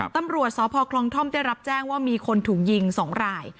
ตำรวจสพคลองท่อมได้รับแจ้งว่ามีคนถูกยิง๒ราย